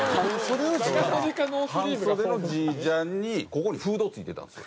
半袖のＧジャンにここにフード付いてたんですよ。